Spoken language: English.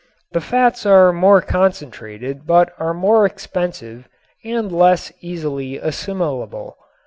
The fats are more concentrated but are more expensive and less easily assimilable.